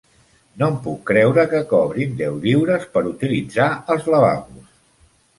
No em puc creure que cobrin deu lliures per utilitzar els lavabos!